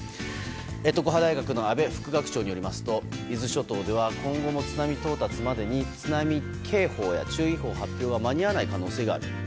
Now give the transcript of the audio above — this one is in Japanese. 常葉大学の阿部副学長によりますと伊豆諸島では今後も津波到達までに津波警報や注意報の発表は間に合わない可能性がある。